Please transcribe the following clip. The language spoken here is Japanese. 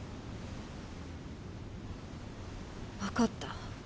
わかった。